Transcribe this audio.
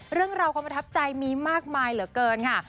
เรื่องราวความประทับใจมีมากมายเหลือเกินค่ะ